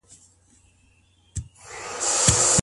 خلوت څنګه د فتنې سبب کېدلای سي؟